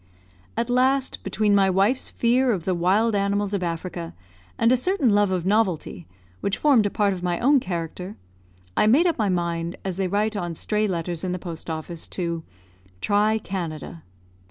At last, between my wife's fear of the wild animals of Africa, and a certain love of novelty, which formed a part of my own character, I made up my mind, as they write on stray letters in the post office, to "try Canada."